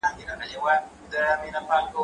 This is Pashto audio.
زه اوږده وخت مېوې وچوم وم،